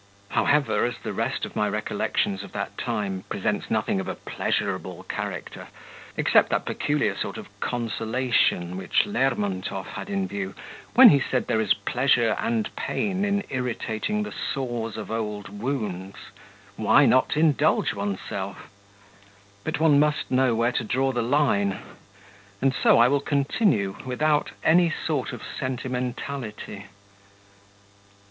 However, as the rest of my recollections of that time presents nothing of a pleasurable character, except that peculiar sort of consolation which Lermontov had in view when he said there is pleasure and pain in irritating the sores of old wounds, why not indulge oneself? But one must know where to draw the line. And so I will continue without any sort of sentimentality.